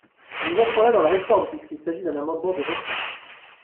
Nous entrons là dans la réforme, puisqu’il s’agit d’un amendement de repli.